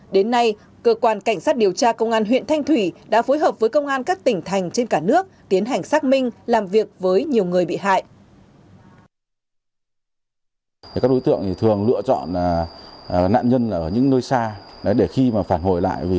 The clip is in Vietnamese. đến nay cơ quan cảnh sát điều tra công an huyện thanh thủy đã phối hợp với công an các tỉnh thành trên cả nước tiến hành xác minh làm việc với nhiều người bị hại